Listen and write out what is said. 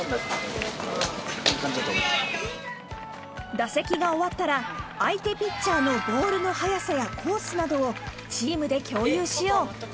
［打席が終わったら相手ピッチャーのボールの速さやコースなどをチームで共有しよう］